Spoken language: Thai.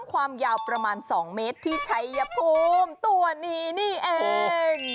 ความยาวประมาณ๒เมตรที่ชัยภูมิตัวนี้นี่เอง